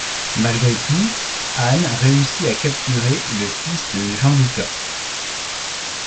Malgré tout, Anne réussit à capturer le fils de Jean Doukas.